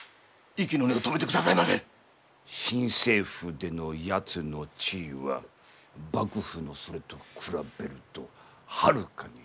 新政府でのやつの地位は幕府のそれと比べるとはるかに高い。